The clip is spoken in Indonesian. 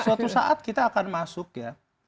suatu saat kita akan masuk ya